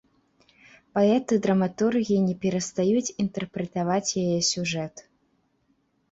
Паэты, драматургі не перастаюць інтэрпрэтаваць яе сюжэт.